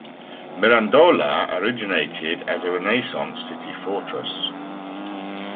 Mirandola originated as a Renaissance city-fortress.